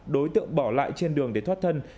đối tượng bỏ lại trên đường để thoát thân